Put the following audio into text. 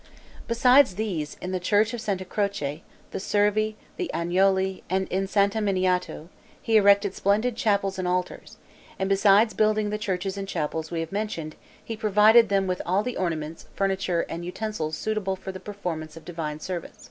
Besides these, in the church of Santa Croce, the Servi, the Agnoli, and in San Miniato, he erected splendid chapels and altars; and besides building the churches and chapels we have mentioned, he provided them with all the ornaments, furniture, and utensils suitable for the performance of divine service.